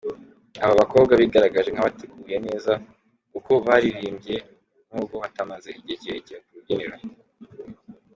Aba bakobwa bigaragaje nk’abateguye neza uko baririmbye nubwo batamaze igihe kirekire ku rubyiniro.